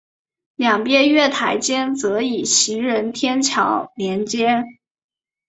两边月台间则以行人天桥连接。